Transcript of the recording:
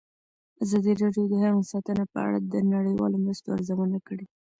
ازادي راډیو د حیوان ساتنه په اړه د نړیوالو مرستو ارزونه کړې.